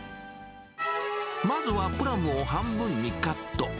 まずはプラムを半分にカット。